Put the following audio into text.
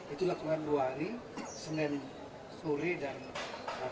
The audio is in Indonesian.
itu lakukan dua hari senin sore dan hari ini